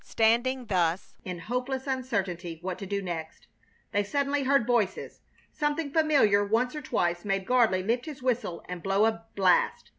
Standing thus in hopeless uncertainty what to do next, they suddenly heard voices. Something familiar once or twice made Gardley lift his whistle and blow a blast.